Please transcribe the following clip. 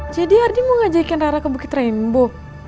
jadi ardi mau ngajakin rara ke bukit rembo